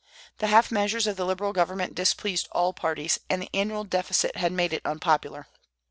The half measures of the Liberal government displeased all parties, and the annual deficit had made it unpopular.